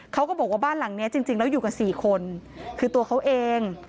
เขาก็บอกว่าบ้านหลังเนี้ยจริงแล้วอยู่กันสี่คนคือตัวเขาเอง